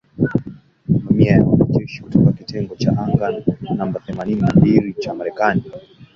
Mamia ya wanajeshi kutoka kitengo cha anga namba themanini na mbili cha Marekani.